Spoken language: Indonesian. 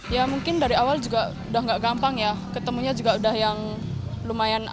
ya mungkin dari awal juga udah gak gampang ya ketemunya juga udah yang lumayan